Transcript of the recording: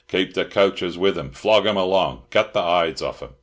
"Keep the coachers with 'em! Flog 'em along! Cut the hides off 'em!"